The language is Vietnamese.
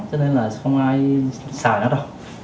cho nên là không ai xài nó đâu